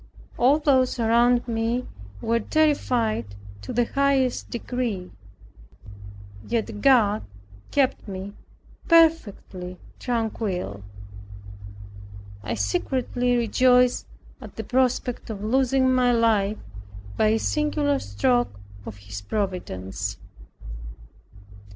All those around me were terrified to the highest degree, yet God kept me perfectly tranquil. I secretly rejoiced at the prospect of losing my life by a singular stroke of His providence.